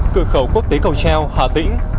cửa khẩu quốc tế cầu treo hà tĩnh